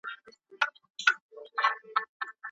هورمون بدلونونه ځینې وخت ناروغۍ لامل کېږي.